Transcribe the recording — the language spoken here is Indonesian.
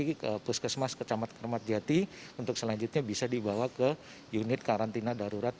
lagi ke puskesmas kecamatan kramat jati untuk selanjutnya bisa dibawa ke unit karantina darurat